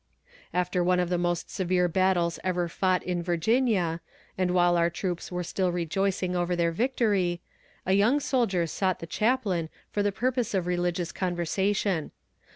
After one of the most severe battles ever fought in Virginia, and while our troops were still rejoicing over their victory, a young soldier sought the chaplain for the purpose of religious conversation.